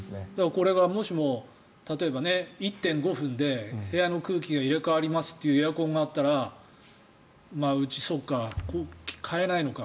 これがもしも例えば１．５分で部屋の空気が入れ替わりますというエアコンがあったらうち、そうか買えないのか。